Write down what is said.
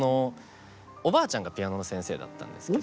おばあちゃんがピアノの先生だったんですけど。